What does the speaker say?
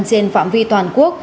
trên phạm vi toàn quốc